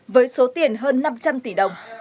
với số tiền hơn năm trăm linh tỷ đồng